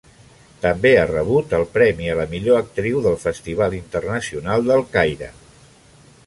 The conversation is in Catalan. També ha rebut el Premi a la millor actriu del Festival Internacional del Caire.